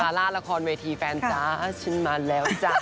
การลาดละครเวทีแฟนจ้าฉันมาแล้วจ้ะ